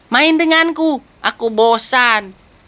main denganku aku bosan